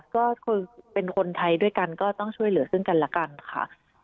ก็คือเป็นคนไทยด้วยกันก็ต้องช่วยเหลือซึ่งกันละกันค่ะ